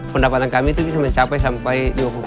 pendapatan kami itu bisa mencapai sampai